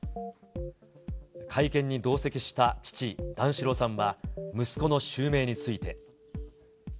会見に同席した父、段四郎さんは息子の襲名について。